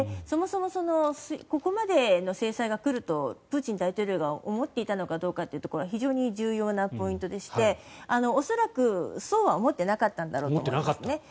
そもそもここまでの制裁が来るとプーチン大統領が思っていたのかどうかは非常に重要なポイントでして恐らくそうは思っていなかったんだろうと思います。